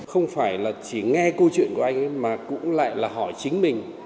không phải là chỉ nghe câu chuyện của anh mà cũng lại là hỏi chính mình